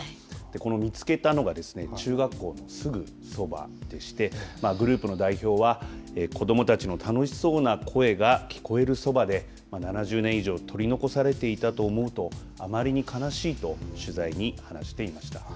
この見つけたのがですね中学校のすぐそばでしてグループの代表は子どもたちの楽しそうな声が聞こえるそばで７０年以上取り残されていたと思うとあまりに悲しいと取材に話していました。